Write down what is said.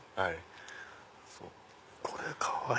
これかわいい。